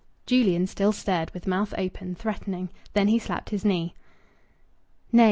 Julian still stared, with mouth open, threatening. Then he slapped his knee. "Nay!"